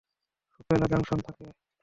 Supela junction থাকে ও।